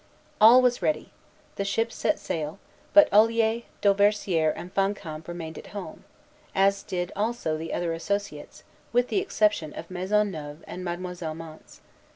All was ready; the ships set sail; but Olier, Dauversière, and Fancamp remained at home, as did also the other Associates, with the exception of Maisonneuve and Mademoiselle Mance.